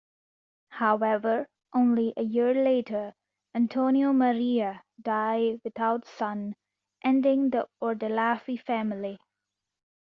However, only a year later, Antonio Maria die without son, ending the Ordelaffi family.